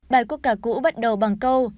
bài quốc ca cũ bắt đầu bằng câu